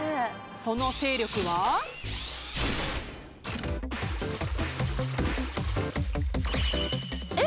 その勢力は。えっ？